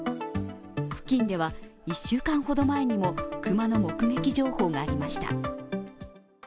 付近では１週間ほど前にも熊の目撃情報がありました。